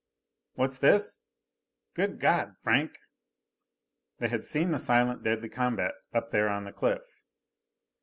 "What's this? Good God, Franck!" They had seen the silent, deadly combat up there on the cliff.